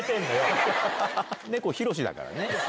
猫ひろしだからね。